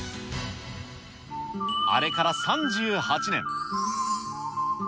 あれから３８年。